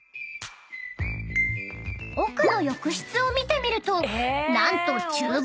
［奥の浴室を見てみると何と］